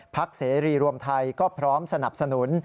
เสรีรวมไทยก็พร้อมสนับสนุน